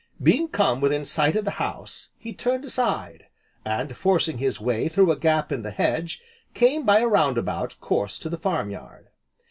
Being come within sight of the house, he turned aside, and forcing his way through a gap in the hedge, came by a roundabout course to the farm yard.